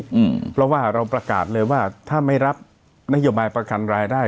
อืมเพราะว่าเราประกาศเลยว่าถ้าไม่รับนโยบายประกันรายได้